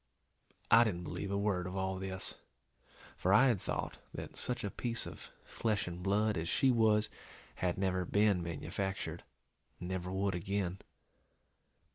I didn't believe a word of all this, for I had thought that such a piece of flesh and blood as she was had never been manufactured, and never would again.